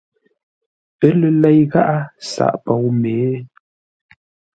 Ə́ lə lei gháʼá sǎʼ pou mě?